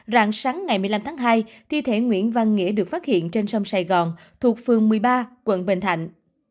rạng sáng ngày một mươi năm tháng hai thi thể nguyễn văn nghĩa được phát hiện trên sông sài gòn thuộc phường một mươi ba quận bình thạnh